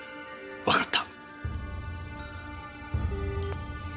わかった。